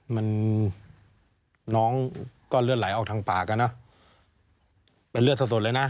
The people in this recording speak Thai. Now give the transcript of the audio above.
มันน้องก็เลือดไหลออกทางปากอ่ะเนอะเป็นเลือดสดเลยนะ